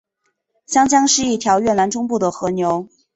香江是一条越南中部的河流。